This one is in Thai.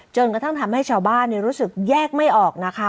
จนกระทั่งทำให้ชาวบ้านรู้สึกแยกไม่ออกนะคะ